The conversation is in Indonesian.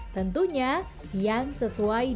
tentunya yang sesuai